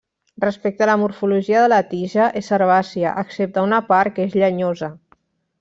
Respecte a la morfologia de la tija, és herbàcia, excepte una part que és llenyosa.